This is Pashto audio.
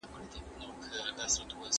دولتونه د خلکو د اړتیاوو لپاره جوړیږي.